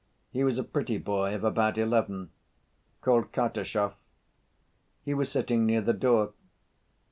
He was a pretty boy of about eleven, called Kartashov. He was sitting near the door.